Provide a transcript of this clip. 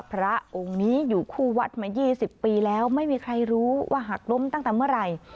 พระองค์นี้อยู่คู่วัดมา๒๐ปีแล้วไม่มีใครรู้ว่าหักล้มตั้งแต่เมื่อไหร่